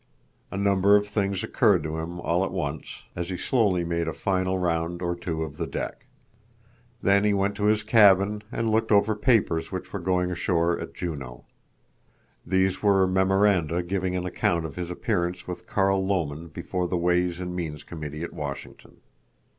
A number of things occurred to him all at once, as he slowly made a final round or two of the deck. Then he went to his cabin and looked over papers which were going ashore at Juneau. These were memoranda giving an account of his appearance with Carl Lomen before the Ways and Means Committee at Washington.